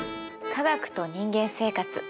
「科学と人間生活」